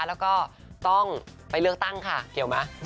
แล้วก็ต้องไปเลือกตั้งค่ะเกี่ยวไหม